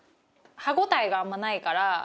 歯応えがあんまないから。